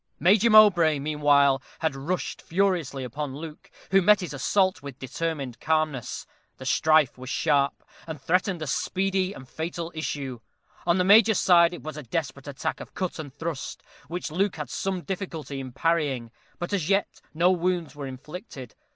Major Mowbray, meanwhile, had rushed furiously upon Luke, who met his assault with determined calmness. The strife was sharp, and threatened a speedy and fatal issue. On the Major's side it was a desperate attack of cut and thrust, which Luke had some difficulty in parrying; but as yet no wounds were inflicted.